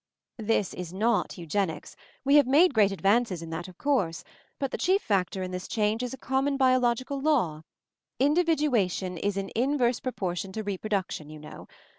"This is not eugenics — we have made great advances in that, of course; but the chief factor in this change is a common bio logical law— 'individuation is in inverse proportion to reproduction,' you know.